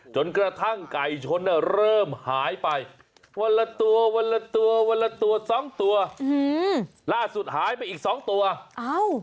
วันละตัวสองตัวหือล่าสุดหายไปอีกสองตัวอ้าว